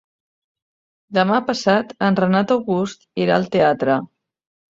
Demà passat en Renat August irà al teatre.